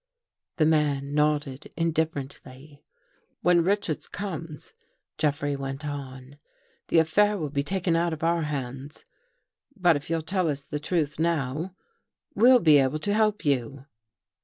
" The man nodded Indifferently. " When Richards comes," Jeffrey went on, " the affair will be taken out of our hands. But If you'll tell us the truth now, we'll be able to help you."